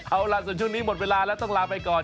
เอาล่ะส่วนช่วงนี้หมดเวลาแล้วต้องลาไปก่อน